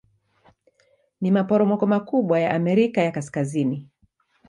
Ni maporomoko makubwa ya Amerika ya Kaskazini.